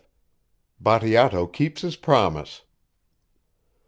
BATEATO KEEPS HIS PROMISE.